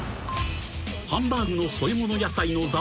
［ハンバーグの添え物野菜の座を］